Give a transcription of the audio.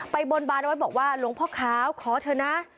บนบานเอาไว้บอกว่าหลวงพ่อขาวขอเถอะนะ